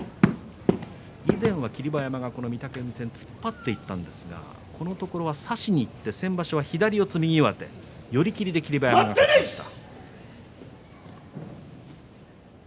以前は霧馬山、御嶽海戦で突っ張っていたんですがこのところ差しにいって先場所は左四つ、右上手寄り切りで霧馬山は勝ちました。